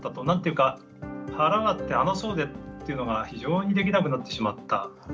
何ていうか腹割って話そうぜっていうのが非常にできなくなってしまった。